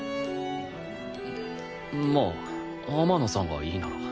まあ天野さんがいいなら。